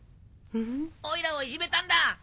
オイラをいじめたんだ！